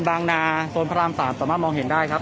บางนาโซนพระราม๓สามารถมองเห็นได้ครับ